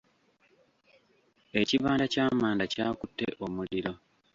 Ekibanda ky'amanda kyakutte omuliro.